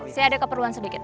saya ada keperluan sedikit